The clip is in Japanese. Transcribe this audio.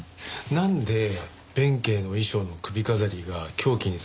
なんで弁慶の衣装の首飾りが凶器に使われたのか？